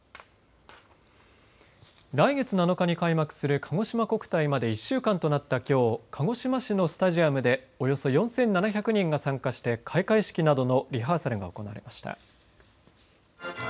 来月７日に開幕するかごしま国体まで１週間となったきょう鹿児島市のスタジアムで、およそ４７００人が参加して開会式などのリハーサルが行われました。